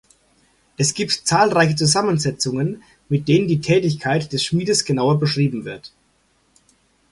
Es gibt zahlreiche Zusammensetzungen, mit denen die Tätigkeit des Schmiedes genauer beschrieben wird.